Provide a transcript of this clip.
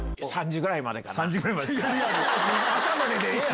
３時ぐらいまで。